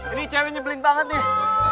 ini cewek nyebelin banget nih